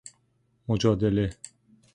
مجادله